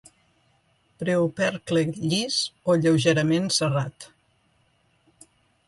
Preopercle llis o lleugerament serrat.